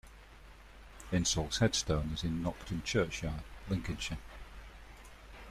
Insall's headstone is in Nocton Churchyard, Lincolnshire.